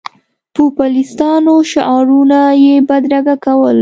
پوپلیستانو شعارونه یې بدرګه کول.